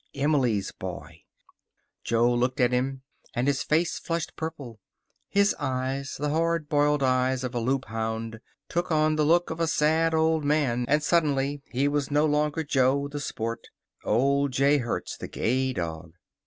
Emily's boy. Jo looked at him, and his face flushed purple. His eyes, the hard boiled eyes of a Loop hound, took on the look of a sad old man. And suddenly he was no longer Jo, the sport; old J. Hertz, the gay dog.